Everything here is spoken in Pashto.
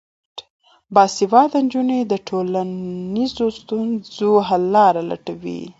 باسواده نجونې د ټولنیزو ستونزو حل لټوي.